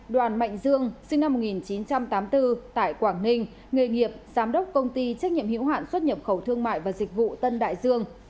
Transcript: đoàn mạnh dương sinh năm một nghìn chín trăm tám mươi bốn tại quảng ninh nghề nghiệp giám đốc công ty trách nhiệm hữu hạn xuất nhập khẩu thương mại và dịch vụ tân đại dương